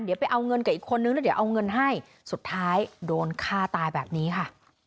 เดี๋ยวไปเอาเงินกับอีกคนนึงแล้วเดี๋ยวเอาเงินให้สุดท้ายโดนฆ่าตายแบบนี้ค่ะ